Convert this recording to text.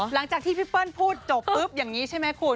หลังจากที่พี่เปิ้ลพูดจบปุ๊บอย่างนี้ใช่ไหมคุณ